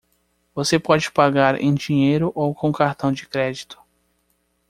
Você pode pagar em dinheiro ou com cartão de crédito.